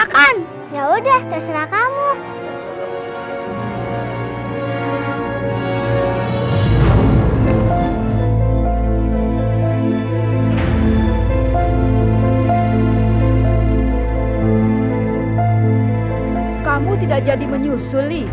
kamu tidak jadi menyusuli